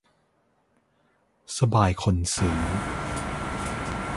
สบายคนซื้อ